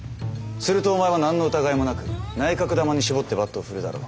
するとお前は何の疑いもなく内角球に絞ってバットを振るだろう？